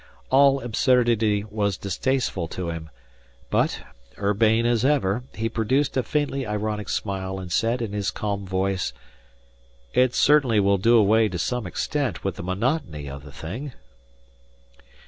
All absurdity was distasteful to him; but, urbane as ever, he produced a faintly ironic smile and said in his calm voice: "It certainly will do away to some extent with the monotony of the thing."